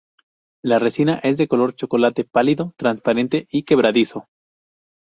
La resina es de color chocolate pálido, transparente y quebradizo.